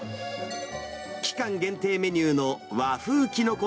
期間限定メニューの和風きのこ